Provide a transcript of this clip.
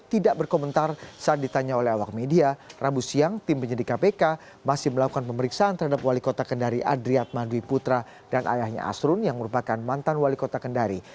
tidak berkomentar saat ditanya oleh awak media rabu siang tim penyelidik kpk masih melakukan pemeriksaan terhadap wali kota kendari adriat manwi putra dan ayahnya asrun yang merupakan mantan wali kota kendari